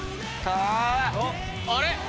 ・あれ？